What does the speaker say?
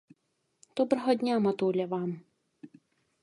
Добрага дня, матуля, вам.